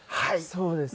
そうですね。